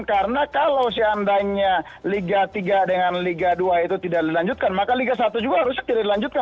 karena kalau seandainya liga tiga dengan liga dua itu tidak dilanjutkan maka liga satu juga harusnya tidak dilanjutkan